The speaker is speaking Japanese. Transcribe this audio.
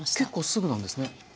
結構すぐなんですね。